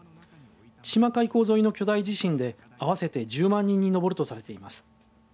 千島海溝沿いの巨大地震で合わせて１０万人に上るとされています。